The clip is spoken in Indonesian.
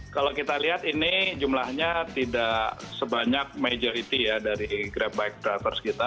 kalau kita lihat ini jumlahnya tidak sebanyak majority ya dari grab bike drivers kita